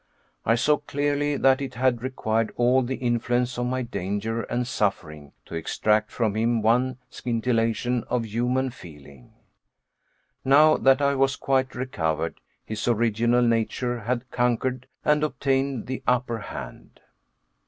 I saw clearly that it had required all the influence of my danger and suffering, to extract from him one scintillation of humane feeling. Now that I was quite recovered, his original nature had conquered and obtained the upper hand.